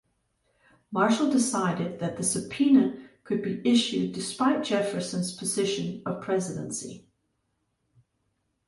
Marshall decided that the subpoena could be issued despite Jefferson's position of presidency.